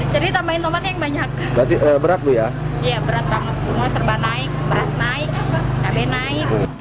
jadi tambahin nomor yang banyak berat ya iya berat banget semua serba naik beras naik cabai naik